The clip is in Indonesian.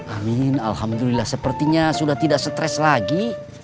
amin alhamdulillah sepertinya sudah tidak stres lagi